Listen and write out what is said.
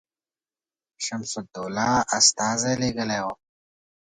شمس الدوله استازی لېږلی وو.